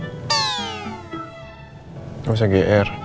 gak usah gr